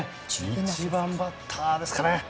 １番バッターですかね。